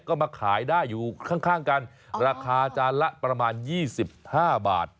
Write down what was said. ก็มาขายได้อยู่ข้างกันราคาจานละประมาณ๒๕บาท